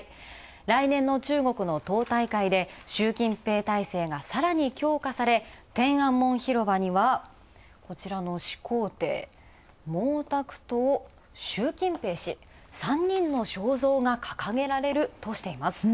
来年の中国の党大会で、習近平体制がさらに強化され、天安門広場には、こちらの始皇帝、毛沢東、習近平氏、３人の肖像が掲げられるとしています。